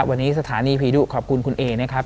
วันนี้สถานีผีดุขอบคุณคุณเอนะครับ